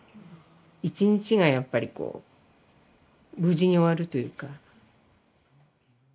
一日がやっぱりこう無事に終わるというか。